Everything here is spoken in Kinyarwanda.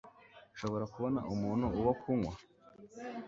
Nshobora kubona umuntu uwo kunywa?